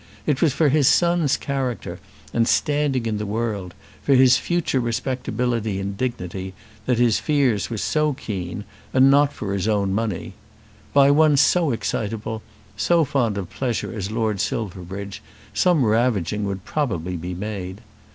It was for his son's character and standing in the world, for his future respectability and dignity, that his fears were so keen, and not for his own money. By one so excitable, so fond of pleasure as Lord Silverbridge, some ravaging would probably be made.